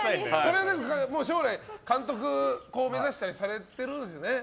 将来、監督を目指したりされてるんですよね。